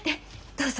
どうぞ。